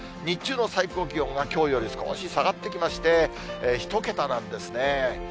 日中の最高気温が、きょうより少し下がってきまして、１桁なんですね。